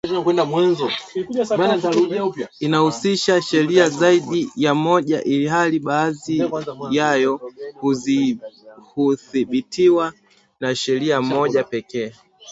inahusisha sheria zaidi ya moja ilhali baadhi yayo hudhibitiwa na sheria moja pekee